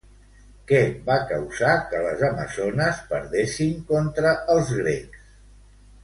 Què va causar que les amazones perdessin contra els grecs?